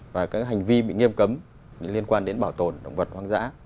và các hành vi bị nghiêm cấm liên quan đến bảo tồn động vật hoang dã